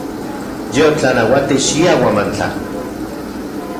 Ye otlanauati xia Huamantla.